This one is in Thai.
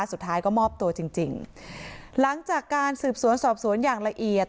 สุดท้ายก็มอบตัวจริงจริงหลังจากการสืบสวนสอบสวนอย่างละเอียด